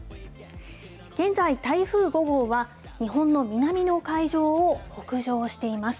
現在、台風５号は、日本の南の海上を北上しています。